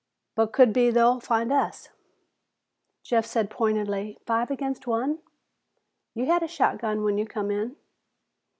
"But could be they'll find us." Jeff said pointedly, "Five against one?" "You had a shotgun when you come in."